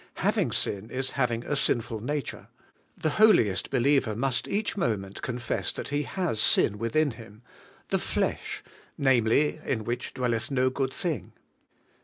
Having sin is having a sinful nature. The holiest believer must each moment confess that he has sin within him, — the flesh, namely, in which dwelleth no good thing.